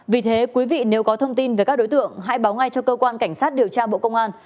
vì thế quý vị nếu có thông tin về các đối tượng hãy báo ngay cho cơ quan cảnh sát điều tra bộ công an